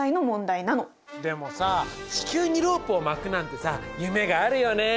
でもさ地球にロープを巻くなんてさ夢があるよね。